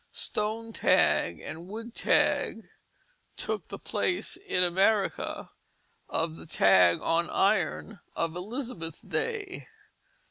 Stone tag and wood tag took the place in America of the tag on iron of Elizabeth's day.